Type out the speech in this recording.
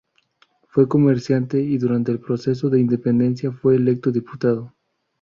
Fue comerciante y durante el proceso de independencia fue electo diputado.